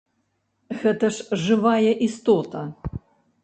Гэта ж жывая істота.